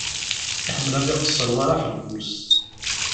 Iḥemmel ad iqesser war aḥebbus.